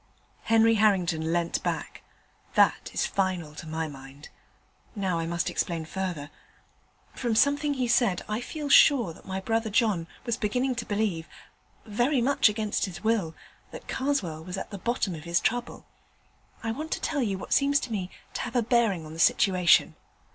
Henry Harrington leant back. 'That is final to my mind. Now I must explain further. From something he said, I feel sure that my brother John was beginning to believe very much against his will that Karswell was at the bottom of his trouble. I want to tell you what seems to me to have a bearing on the situation.